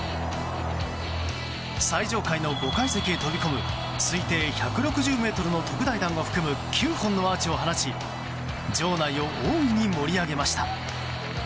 最上階の５階席へ飛び込む推定１６０ｍの特大弾を含む９本のアーチを放ち場内を大いに盛り上げました。